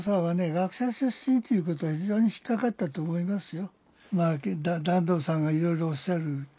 学者出身ということが非常に引っ掛かったと思いますよ。